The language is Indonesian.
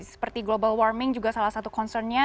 seperti global warming juga salah satu concernnya